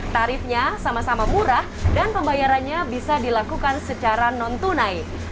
tarifnya sama sama murah dan pembayarannya bisa dilakukan secara non tunai